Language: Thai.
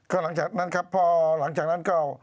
หลังจากนั้นครับพอหลังจากนั้นก็